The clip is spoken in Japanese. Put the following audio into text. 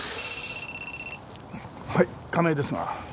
はい亀井ですが。